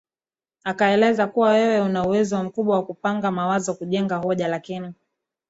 akaeleza kuwa wewe una uwezo mkubwa wa kupanga mawazo kujenga hoja lakini